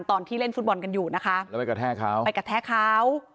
ตอนที่เล่นฟุตบอลกันอยู่นะคะแล้วไปกระแทกเขา